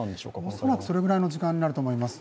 恐らくそれぐらいの時間になると思います。